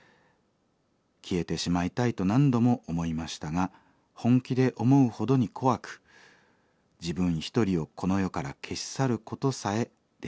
消えてしまいたいと何度も思いましたが本気で思うほどに怖く自分一人をこの世から消し去ることさえできません。